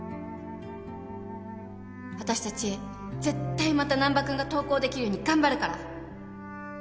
「あたしたち絶対また難破くんが登校できるように頑張るから！」